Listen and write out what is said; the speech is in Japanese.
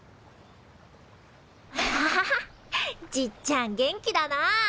ハハハハじっちゃん元気だな。